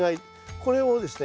これをですね